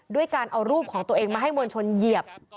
ด้วยการเอารูปของตัวเองมาให้มวลชนเหยียบ